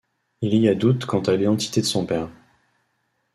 Il y a doutes quant à l'identité de son père.